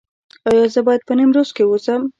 ایا زه باید په نیمروز کې اوسم؟